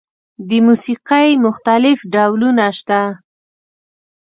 د موسیقۍ مختلف ډولونه شته.